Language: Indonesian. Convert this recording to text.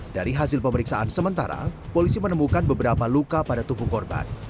dari hasil pemeriksaan sementara polisi menemukan beberapa luka pada tubuh korban